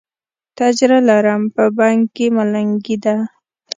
تجره لرم، په بنګ کې ملنګي ده